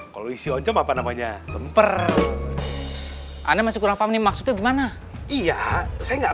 kalau isi oncap apa namanya tempar anda masih kurang paham maksudnya gimana iya saya enggak